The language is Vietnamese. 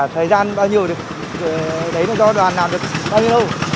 thời gian bao nhiêu thì đấy là do đoàn làm được bao nhiêu